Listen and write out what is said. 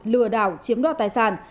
lừa đảo chiếm đoạt tài sản